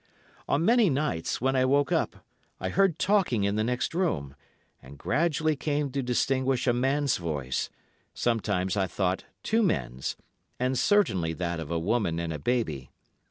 "On many nights, when I woke up, I heard talking in the next room, and gradually came to distinguish a man's voice, sometimes I thought two men's, and certainly that of a woman and a baby.